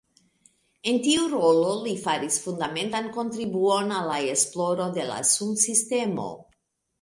En tiu rolo li faris fundamentan kontribuon al la esploro de la sunsistemo.